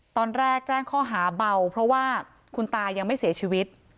แจ้งข้อหาเบาเพราะว่าคุณตายังไม่เสียชีวิต